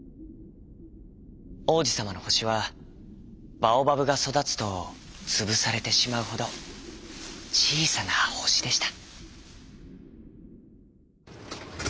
王子さまの星はバオバブがそだつとつぶされてしまうほどちいさな星でした。